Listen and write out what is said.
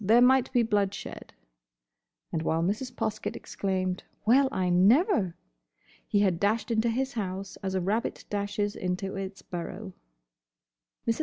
There might be bloodshed." And while Mrs. Poskett exclaimed "Well, I never!" he had dashed into his house as a rabbit dashes into its burrow. Mrs.